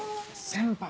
先輩！